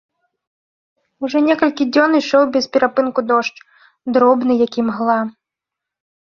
Ужо некалькі дзён ішоў без перапынку дождж, дробны, як імгла.